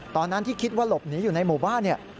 ตอนนั้นที่คิดว่าหลบหนีอยู่ในหมู่บ้านเนี่ย